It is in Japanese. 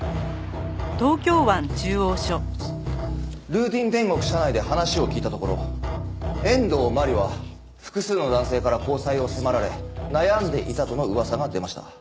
ルーティン天国社内で話を聞いたところ遠藤真理は複数の男性から交際を迫られ悩んでいたとの噂が出ました。